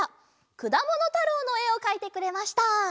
「くだものたろう」のえをかいてくれました。